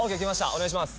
お願いします。